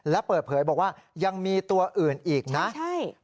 และเปิดเผยบอกว่ายังมีตัวอื่นอีกนะใช่